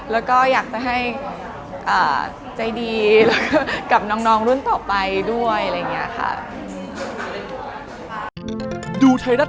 แล้วก็อยากจะให้ใจดีกับน้องรุ่นต่อไปด้วย